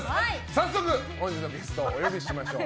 早速、本日のゲストをお呼びしましょう。